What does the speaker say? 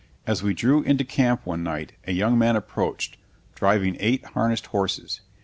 As we drew into camp one night a young man approached, driving eight harnessed horses.